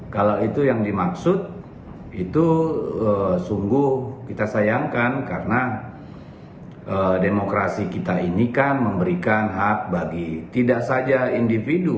kalau itu yang dimaksud itu sungguh kita sayangkan karena demokrasi kita ini kan memberikan hak bagi tidak saja individu